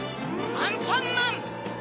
アンパンマン！